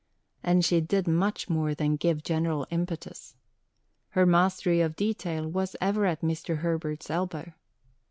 And she did much more than give general impetus. Her mastery of detail was ever at Mr. Herbert's elbow.